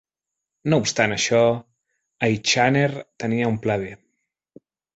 No obstant això, Eychaner tenia un pla B.